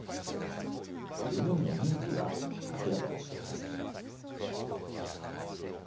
４人の認否は明らかにしていません。